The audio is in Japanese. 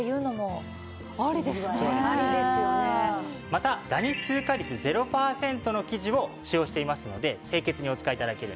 またダニ通過率０パーセントの生地を使用していますので清潔にお使い頂ける。